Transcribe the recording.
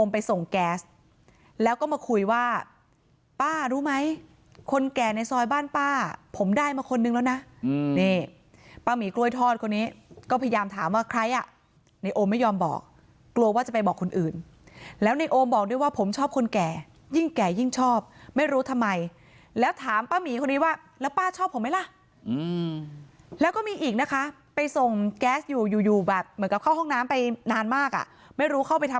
ไปส่งแก๊สแล้วก็มาคุยว่าป้ารู้ไหมคนแก่ในซอยบ้านป้าผมได้มาคนนึงแล้วนะนี่ป้าหมีกล้วยทอดคนนี้ก็พยายามถามว่าใครอ่ะในโอมไม่ยอมบอกกลัวว่าจะไปบอกคนอื่นแล้วในโอบอกด้วยว่าผมชอบคนแก่ยิ่งแก่ยิ่งชอบไม่รู้ทำไมแล้วถามป้าหมีคนนี้ว่าแล้วป้าชอบผมไหมล่ะแล้วก็มีอีกนะคะไปส่งแก๊สอยู่อยู่แบบเหมือนกับเข้าห้องน้ำไปนานมากอ่ะไม่รู้เข้าไปทำ